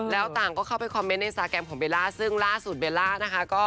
แล้วต่างก็เข้าไปคอมเมนต์ในอินสตาแกรมของเบลล่าซึ่งล่าสุดเบลล่านะคะ